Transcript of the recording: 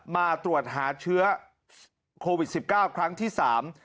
มาตรวจหาเชื้อโควิด๑๙ครั้งที่สาม